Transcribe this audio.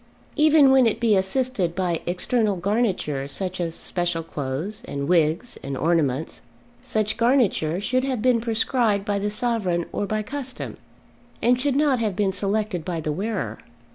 Even when it be assisted by external garniture such as special clothes, and wigs, and ornaments, such garniture should have been prescribed by the sovereign or by custom, and should not have been selected by the wearer.